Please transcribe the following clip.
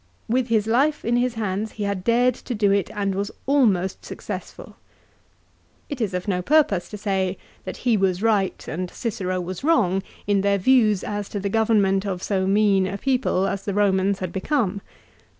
With his life in his hands he had dared to do it, and was almost successful. It is of no purpose to say that he was right and Cicero was wrong in their views as to the Government of so mean a people as the Ptomans had become.